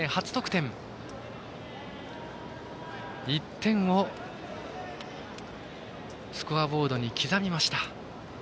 １点をスコアボードに刻みました。